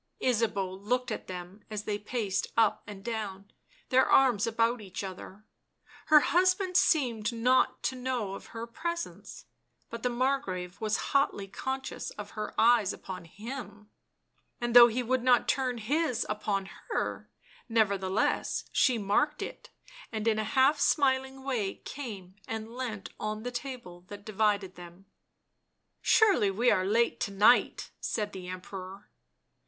Ysabeau looked at them as they paced up and down, their arms about each other; her husband seemed not to know of her presence, but the Margrave was hotly conscious of her eyes upon him, and though he would not turn his upon her, nevertheless, she marked it and, in a half smiling way, came and leant on the table that divided them. 11 Surely we are late to night," said the Emperor.